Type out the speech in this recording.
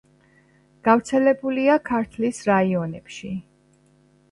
გავრცელებულია ქართლის რაიონებში.